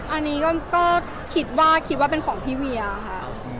อันนี้ก็คิดว่าคิดว่าเป็นของพี่เวียค่ะ